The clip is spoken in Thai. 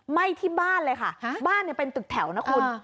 ไหม้ที่บ้านเลยค่ะบ้านเป็นตึกแถวนะคุณ